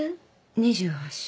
２８週。